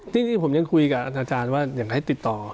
จริงผมยังคุยกับอาจารย์ว่าอยากให้ติดต่อ